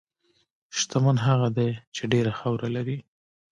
شتمن هغه دی چې ډېره خاوره لري.